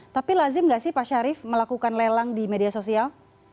tapi lazim nggak sih pak syarif melakukan lelang di media sosial